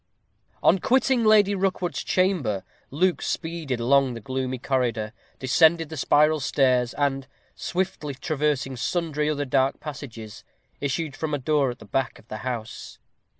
On quitting Lady Rookwood's chamber, Luke speeded along the gloomy corridor, descended the spiral stairs, and, swiftly traversing sundry other dark passages, issued from a door at the back of the house.